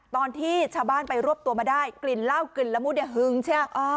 ตอนที่ชาวบ้านไปรวบตัวมาได้กลิ่นเหล้ากลิ่นละมุดเนี่ยหึงใช่ไหม